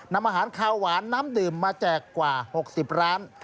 นำอาหารคาวหวานน้ำดื่มมาแจกกว่า๖๐ร้าน